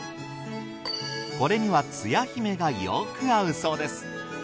これにはつや姫がよく合うそうです。